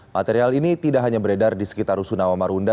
material ini tidak hanya beredar di sekitar rusunawa marunda